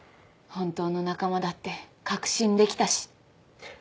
本当の仲間だって確信できたし。